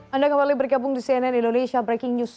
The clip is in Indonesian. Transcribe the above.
anda kembali bergabung di cnn indonesia breaking news